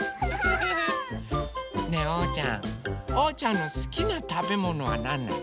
ねえおうちゃんおうちゃんのすきなたべものはなんなの？